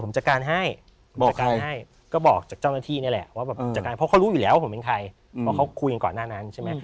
เพราะเขาคุยกันก่อนหน้านั้นใช่ไหม